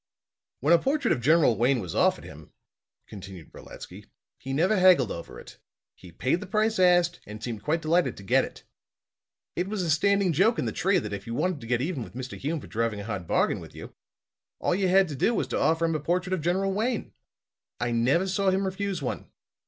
"When a portrait of General Wayne was offered him," continued Brolatsky, "he never haggled over it. He paid the price asked and seemed quite delighted to get it. It was a standing joke in the trade that if you wanted to get even with Mr. Hume for driving a hard bargain with you, all you had to do was to offer him a portrait of General Wayne. I never saw him refuse one.